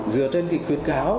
dựa trên cái khuyến cáo